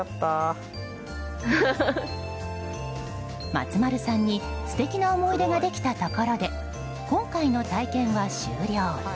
松丸さんに素敵な思い出ができたところで今回の体験は終了。